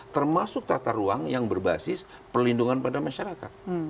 termasuk tata ruang yang berbasis perlindungan pada masyarakat